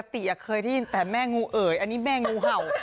ติเคยได้ยินแต่แม่งูเอ๋ยอันนี้แม่งูเห่า